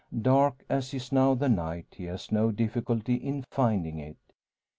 Dark as is now the night he has no difficulty in finding it.